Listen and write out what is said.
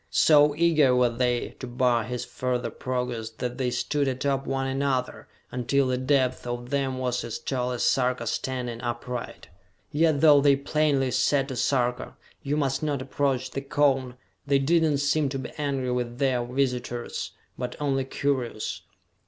So eager were they to bar his further progress that they stood atop one another, until the depth of them was as tall as Sarka standing upright. Yet, though they plainly said to Sarka: "You must not approach the cone," they did not seem to be angry with their visitors, but only curious.